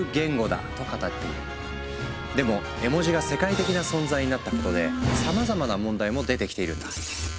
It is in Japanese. でも絵文字が世界的な存在になったことでさまざまな問題も出てきているんだ。